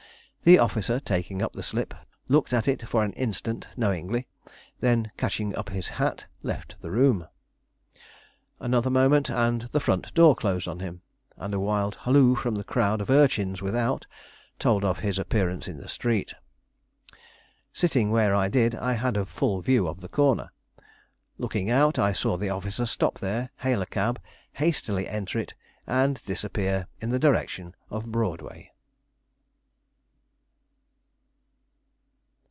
The officer, taking up the slip, looked at it for an instant knowingly, then catching up his hat left the room. Another moment, and the front door closed on him, and a wild halloo from the crowd of urchins without told of his appearance in the street. Sitting where I did, I had a full view of the corner. Looking out, I saw the officer stop there, hail a cab, hastily enter it, and disappear in the direction of Broadway.